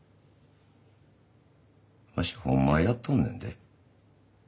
わしほんまはやっとんねんで。